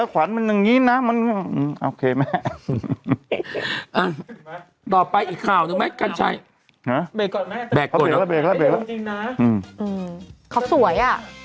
ไปดูน้องพลีนี้